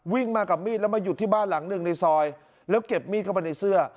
มากับมีดแล้วมาหยุดที่บ้านหลังหนึ่งในซอยแล้วเก็บมีดเข้าไปในเสื้อ